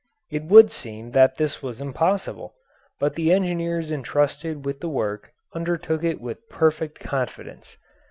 It would seem that this was impossible, but the engineers intrusted with the work undertook it with perfect confidence.